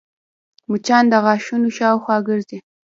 مچان د غاښونو شاوخوا ګرځي